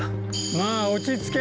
まぁ落ち着け。